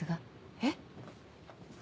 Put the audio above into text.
えっ？